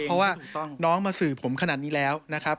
เพราะว่าน้องมาสื่อผมขนาดนี้แล้วนะครับ